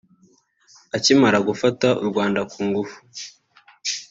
Akimara gufata u Rwanda ku ngufu